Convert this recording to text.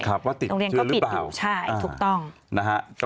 ครับว่าติดอยู่หรือเปล่าใช่ถูกต้องโรงเรียนก็ปิดอยู่